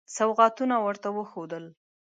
سوغاتونه ورته وښودل.